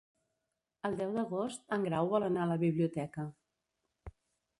El deu d'agost en Grau vol anar a la biblioteca.